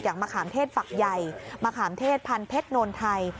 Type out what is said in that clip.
อย่างมะขามเทศฝักใหญ่มะขามเทศพันธุ์เพชรนทัย